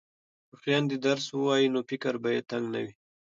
که خویندې درس ووایي نو فکر به یې تنګ نه وي.